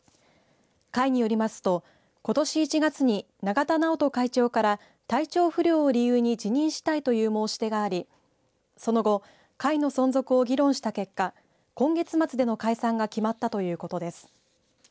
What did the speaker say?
会によりますとことし１月に永田直人会長から体調不良を理由に辞任したいという申し出がありその後、会の存続を議論した結果今月末での解散が決まったということです。